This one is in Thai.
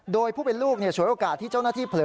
โดยผู้เป็นลูกฉวยโอกาสที่เจ้าหน้าที่เผลอ